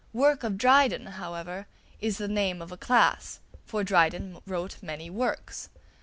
"Work of Dryden," however, is the name of a class, for Dryden wrote many works.